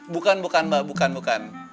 bukan bukan mba